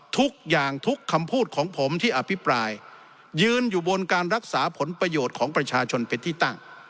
ทุกอย่างทุกคำพูดของผมที่อภิปรายยืนอยู่บนการรักษาผลประโยชน์ของประชาชนเป็นที่ตั้ง